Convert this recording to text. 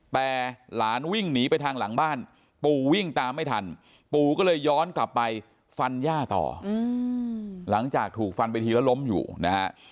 แต่หลานวิ่งหนีไปทางหลังบ้านปู่วิ่งตามไม่ทันปู่ก็เลยย้อนกลับไปฟันย่าต่อหลังจากถูกฟันไปทีแล้วล้มอยู่นะฮะ